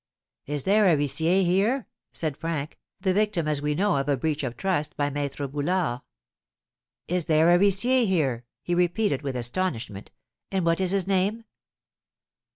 "Is there a huissier here?" said Frank, the victim as we know of a breach of trust, by Maître Boulard. "Is there a huissier here?" he repeated, with astonishment, "and what is his name?"